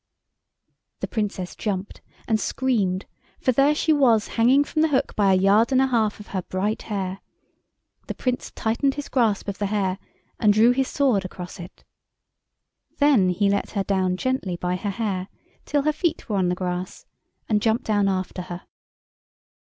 The Princess jumped, and screamed, for there she was hanging from the hook by a yard and a half of her bright hair; the Prince tightened his grasp of the hair and drew his sword across it. Then he let her down gently by her hair till her feet were on the grass, and jumped down after her.